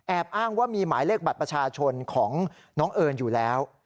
อ้างว่ามีหมายเลขบัตรประชาชนของน้องเอิญอยู่แล้ว